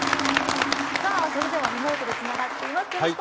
さあそれではリモートで繋がっています。